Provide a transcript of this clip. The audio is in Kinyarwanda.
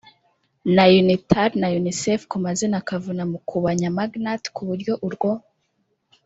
na unitar na unicef ku mazina kavuna mukubanya magnat ku buryo urwo